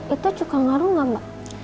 itu juga ngaruh gak mbak